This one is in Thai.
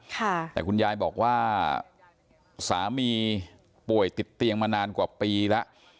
แต่คุณยายบอกว่าสามีป่วยติดเตียงมานานกว่าปีแล้ว